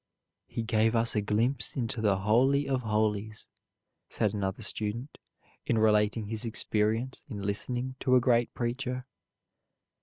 "He gave us a glimpse into the Holy of Holies," said another student, in relating his experience in listening to a great preacher.